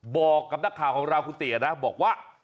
บอกกับนักข่าวของเราคุณตินะบอกว่า